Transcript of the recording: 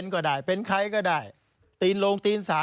ก็ต้องไปหาช่องเอา